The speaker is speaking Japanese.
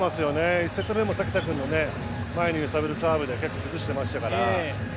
１セット目も関田君の前に揺さぶるサーブで結構崩していましたから。